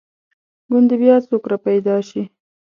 ګوندې بیا یو څوک را پیدا شي.